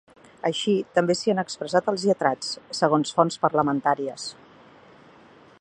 Així també s’hi han expressat els lletrats, segons fonts parlamentàries.